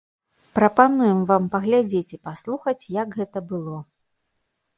Прапануем вам паглядзець і паслухаць, як гэта было.